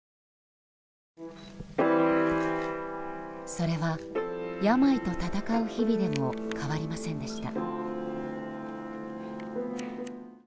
それは、病と闘う日々でも変わりませんでした。